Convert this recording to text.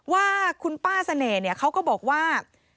ว่าคุณป้าเสน่ห์เขาก็บอกว่า